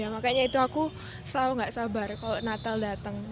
makanya itu aku selalu gak sabar kalau natal datang